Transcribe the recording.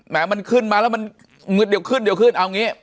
มันขึ้นมาแล้วมันเดี๋ยวขึ้นเดี๋ยวขึ้นเอาอย่างนี้